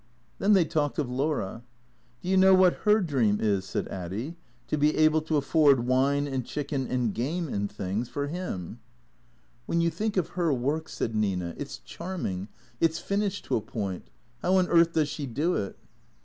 Then they talked of Laura. " Do you know what her dream is? " said Addy. " To be able to afford wine, and chicken, and game and things — for him." 222 THE CREATOES " When you think of her work !" said Nina. " It 's charm ing ; it 's finished, to a point. How on earth does she do it